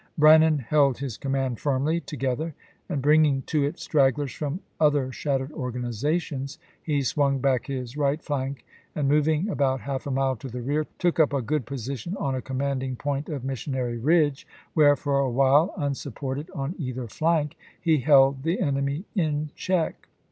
Brannan held his command firmly to gether, and bringing to it stragglers from other shat tered organizations, he swung back his right flank and, mo\dng about half a mile to the rear, took up a good position on a commanding point of Mission ary Ridge, where, for a while, unsupported on either flank, he held the enemy in check.